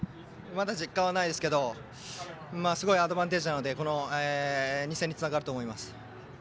まだ実感はないですがすごいアドバンテージなので次の２戦につながると思います。